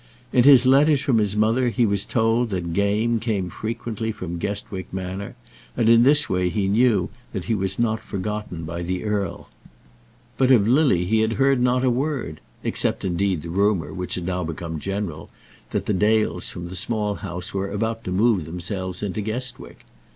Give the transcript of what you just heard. In his letters from his mother he was told that game came frequently from Guestwick Manor, and in this way he knew that he was not forgotten by the earl. But of Lily he had heard not a word, except, indeed, the rumour, which had now become general, that the Dales from the Small House were about to move themselves into Guestwick.